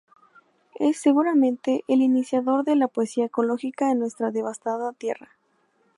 Es, seguramente, el iniciador de la poesía ecológica en nuestra devastada tierra.